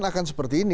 akan seperti ini